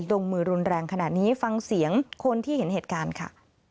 ลงมือรุนแรงขนาดนี้ฟังเสียงคนที่เห็นเหตุการณ์ค่ะ